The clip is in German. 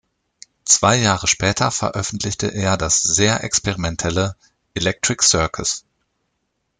Zwei Jahre später veröffentlichte er das sehr experimentelle "Electric Circus".